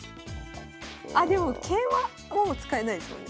あでも桂馬もう使えないですもんね